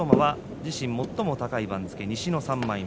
自身最も高い番付西の３枚目